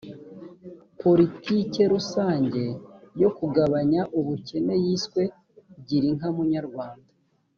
politike rusange yo kugabanya ubukene yiswe gira inka munyarwanda